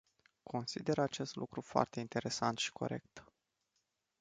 Consider acest lucru foarte interesant și corect.